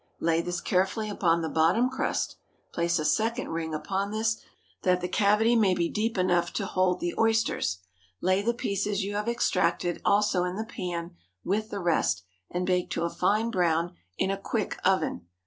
Lay this carefully upon the bottom crust; place a second ring upon this, that the cavity may be deep enough to hold the oysters; lay the pieces you have extracted also in the pan with the rest, and bake to a fine brown in a quick oven.